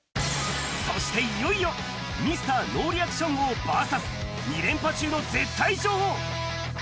そしていよいよ、ミスターノーリアクション王ＶＳ２連覇中の絶対女王。